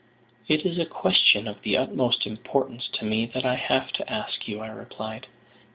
"It is a question of the utmost importance to me that I have to ask you," I replied.